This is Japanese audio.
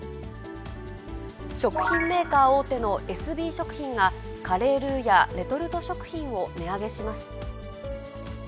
食品メーカー大手のエスビー食品が、カレールウやレトルト食品を値上げします。